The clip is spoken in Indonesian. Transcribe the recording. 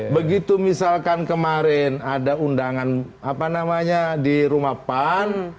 begitu misalkan kemarin ada undangan apa namanya di rumapan